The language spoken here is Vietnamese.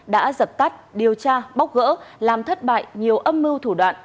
đã dập tắt điều tra bóc gỡ làm thất bại nhiều âm mưu thủ đoạn